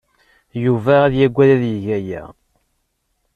Yuba ad yaggad ad yeg aya.